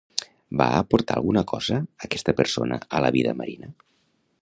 Va aportar alguna cosa aquesta persona a la vida marina?